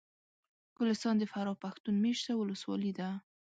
ګلستان د فراه پښتون مېشته ولسوالي ده